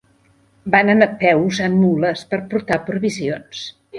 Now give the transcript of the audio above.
Van anar a peu usant mules per portar provisions.